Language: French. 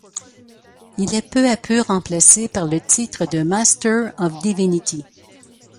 Il est peu à peu remplacé par le titre de Master of Divinity.